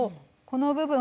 この部分。